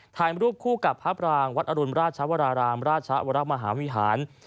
ถ่ายรูปคู่กับพระปรางวัดอรุณราชวรารามราชวรมหาวิหาร